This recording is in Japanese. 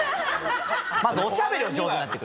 まずおしゃべりを上手になってくれ。